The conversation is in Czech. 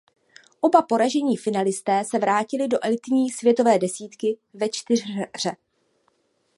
Oba poražení finalisté se vrátili do elitní světové desítky ve čtyřhře.